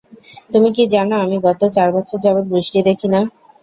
তুমি কি জানো, আমি গত চার বছর যাবৎ বৃষ্টি দেখি না?